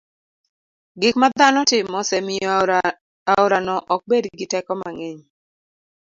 Gik ma dhano timo osemiyo aorano ok bed gi teko mang'eny.